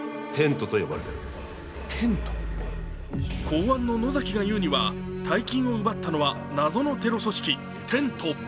公安の野崎が言うには、大金を奪ったのは謎のテロ組織・テント。